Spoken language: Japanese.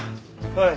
はい。